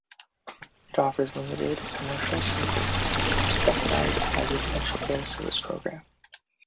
It offers limited commercial service, which is subsidized by the Essential Air Service program.